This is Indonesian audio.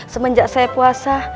semenjak saya puasa